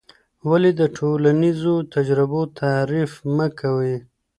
ولې د ټولنیزو تجربو تحریف مه کوې؟